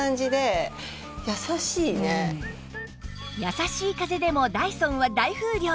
優しい風でもダイソンは大風量！